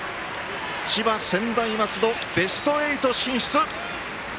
千葉・専大松戸、ベスト８進出。